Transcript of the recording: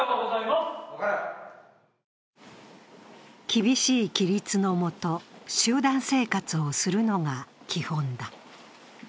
厳しい規律のもと、集団生活をするのが基本だ。